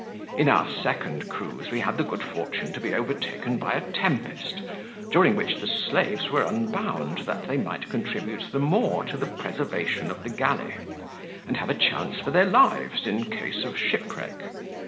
"In our second cruise we had the good fortune to be overtaken by a tempest, during which the slaves were unbound, that they might contribute the more to the preservation of the galley, and have a chance for their lives, in case of shipwreck.